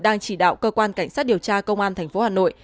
đang chỉ đạo cơ quan cảnh sát điều tra công an tp hà nội